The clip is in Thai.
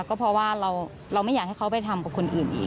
ก็เพราะว่าเราไม่อยากให้เขาไปทำกับคนอื่นอีก